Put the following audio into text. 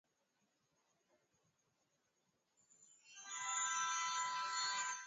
Mti ulipandwa mwaka jana.